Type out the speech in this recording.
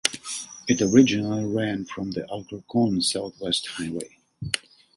It originally ran from the Alcorcón Southwest Highway.